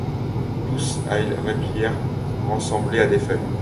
Tous, ailes repliées, ressemblent à des feuilles.